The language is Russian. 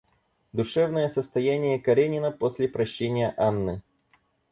Душевное состояние Каренина после прощения Анны.